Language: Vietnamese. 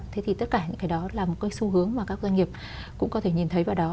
thế thì tất cả những cái đó là một cái xu hướng mà các doanh nghiệp cũng có thể nhìn thấy vào đó